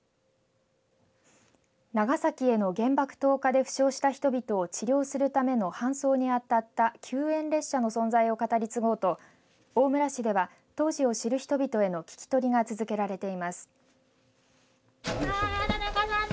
長崎への原爆投下で負傷した人々を治療するための搬送にあたった救援列車の存在を語り継ごうと大村市では当時を知る人々への聞き取りが続けられています。